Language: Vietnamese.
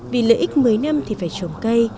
vì lợi ích mấy năm thì phải trồng cây